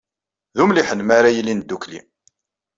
D umliḥen mi ara ilin ddukkli.